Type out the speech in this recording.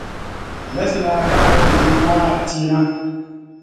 Neslna ka hay niyn ma tìna.